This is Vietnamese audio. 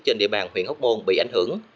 trên địa bàn huyện hốc môn bị ảnh hưởng